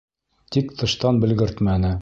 Тик тыштан белгертмәне.